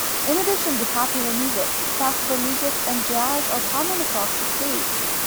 In addition to popular music, classical music and jazz are common across the state.